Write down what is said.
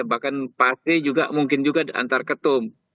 bahkan pasti juga mungkin juga antar ketum